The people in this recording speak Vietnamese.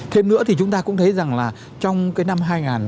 thêm nữa thì chúng ta cũng thấy rằng là trong cái năm hai nghìn hai mươi hai